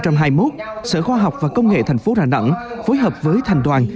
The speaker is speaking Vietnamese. năm hai nghìn hai mươi một sở khoa học và công nghệ thành phố đà nẵng phối hợp với thành đoàn